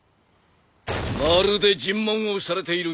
まるで尋問をされているみたいだな。